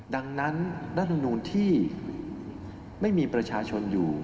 ดังนั้นรัฐมนูลที่ไม่มีประชาชนอยู่